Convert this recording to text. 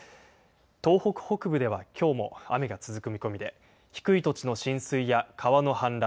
東北北部ではきょうも雨が続く見込みで低い土地の浸水や川の氾濫